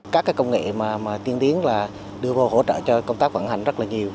các công nghệ tiên tiến đưa vào hỗ trợ cho công tác vận hành rất nhiều